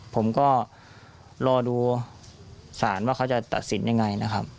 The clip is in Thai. ผมก็รอดูสารว่าเขาจะตัดสินยังไงนะครับ